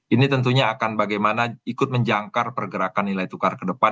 ini tentunya akan bagaimana ikut menjangkar pergerakan nilai tukar ke depan